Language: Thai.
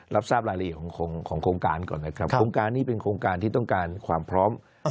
รับทราบรายละเอียดของของโครงการก่อนนะครับโครงการนี้เป็นโครงการที่ต้องการความพร้อม